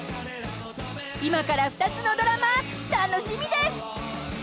［今から２つのドラマ楽しみです］